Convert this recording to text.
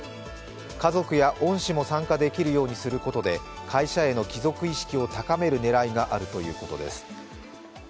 家族や恩師も参加できるようにすることで会社への帰属意識を高める狙いがあるということです。